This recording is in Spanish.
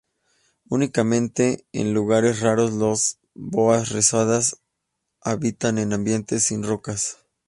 Únicamente en lugares raros las boas rosadas habitan en ambientes sin rocas.